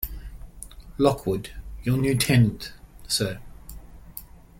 Lockwood, your new tenant, sir.